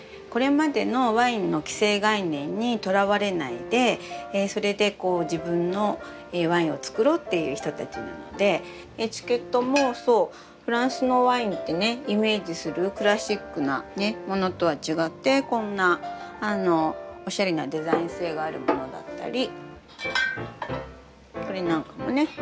これまでのワインの既成概念にとらわれないでそれでこう自分のワインをつくろうっていう人たちなのでエチケットもそうフランスのワインってねイメージするクラシックなねものとは違ってこんなおしゃれなデザイン性があるものだったりこれなんかもね